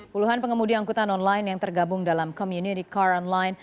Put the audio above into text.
puluhan pengemudi angkutan online yang tergabung dalam community car online